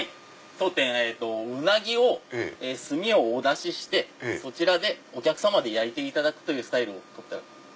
当店ウナギを炭をお出ししてそちらでお客様で焼いていただくスタイル。